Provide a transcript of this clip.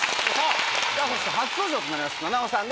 そして初登場となります菜々緒さんです。